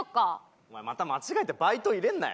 お前また間違えてバイト入れるなよ？